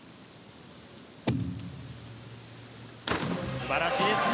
素晴らしいですね！